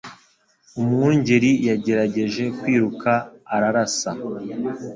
Umwungeri yagerageje kwiruka ararasa